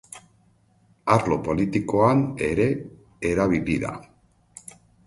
Arlo politikoan ere erabili da.